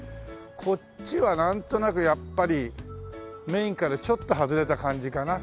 こっちはなんとなくやっぱりメインからちょっと外れた感じかな。